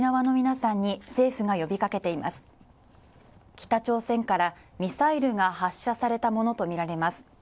北朝鮮からミサイルが発射されたものとみられます。